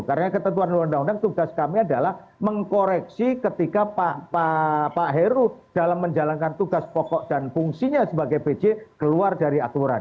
karena ketentuan undang undang tugas kami adalah mengkoreksi ketika pak heru dalam menjalankan tugas pokok dan fungsinya sebagai pj keluar dari aturan